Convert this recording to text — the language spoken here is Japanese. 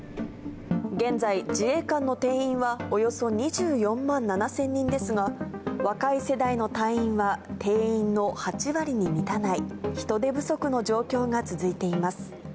現在、自衛官の定員はおよそ２４万７０００人ですが、若い世代の隊員は、定員の８割に満たない、人手不足の状況が続いています。